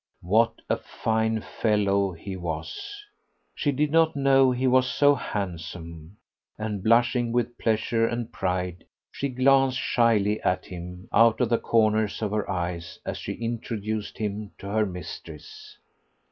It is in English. What a fine fellow he was! She did not know he was so handsome, and blushing with pleasure and pride she glanced shyly at him out of the corners of her eyes as she introduced him to her mistress.